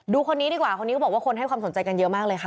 คนนี้ดีกว่าคนนี้ก็บอกว่าคนให้ความสนใจกันเยอะมากเลยค่ะ